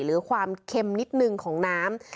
หรือความเค็มนิดนึงของน้ำ